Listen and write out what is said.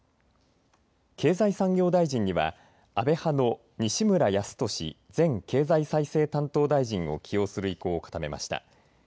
経済産業大臣には安倍派の西村康稔前経済再生担当大臣を起用する意向を固めました。